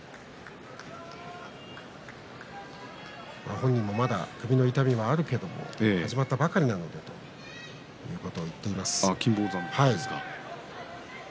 本人もまだ首の痛みがあるけど始まったばかりですのでということを言ってました。